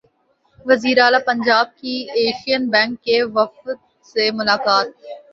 وزیراعلی پنجاب کی Asian bank کے وفد سے ملاقات